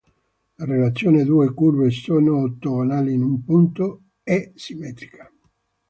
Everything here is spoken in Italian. La relazione "due curve sono ortogonali in un punto" è simmetrica.